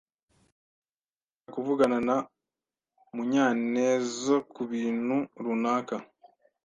Nashakaga kuvugana na Munyanezkubintu runaka.